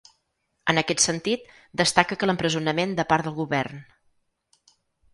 En aquest sentit, destaca que l’empresonament de part del govern.